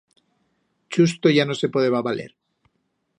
Chusto ya no se podeba valer.